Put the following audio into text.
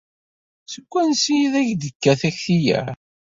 Seg wansi ay ak-d-tekka takti-a?